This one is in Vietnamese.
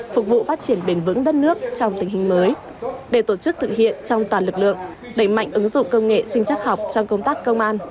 phục vụ phát triển bền vững đất nước trong tình hình mới để tổ chức thực hiện trong toàn lực lượng đẩy mạnh ứng dụng công nghệ sinh chắc học trong công tác công an